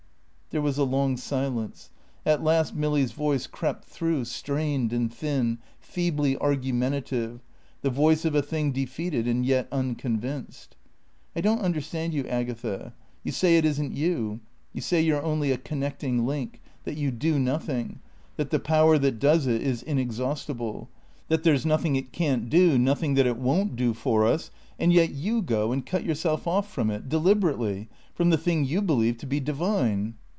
There was a long silence. At last Milly's voice crept through, strained and thin, feebly argumentative, the voice of a thing defeated and yet unconvinced. "I don't understand you, Agatha. You say it isn't you; you say you're only a connecting link; that you do nothing; that the Power that does it is inexhaustible; that there's nothing it can't do, nothing that it won't do for us, and yet you go and cut yourself off from it deliberately from the thing you believe to be divine."